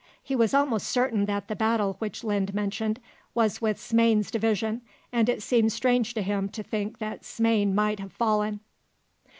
He was almost certain that the battle which Linde mentioned was with Smain's division, and it seemed strange to him to think that Smain might have fallen.